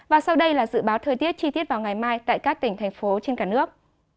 và sau đây là dự báo thời tiết chi tiết vào ngày mai tại các tỉnh thành phố trên cả nước